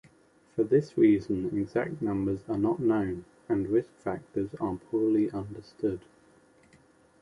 For this reason exact numbers are not known, and risk factors are poorly understood.